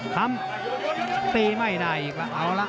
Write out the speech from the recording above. คำตีไม่ได้อีกละ